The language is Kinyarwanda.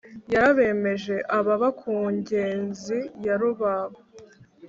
yarabemeje ababa ku ngezi ya rubabo